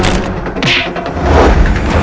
kami akan menangkap kalian